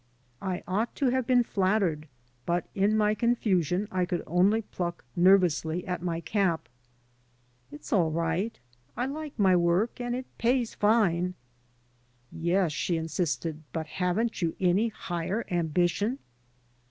I ought to have been flattered, but in my confusion I could only pluck nervously at my cap: "It's all right. I hke my work, and it pays fine.'* "Yes," she insisted, "but haven't you any higher ambition?"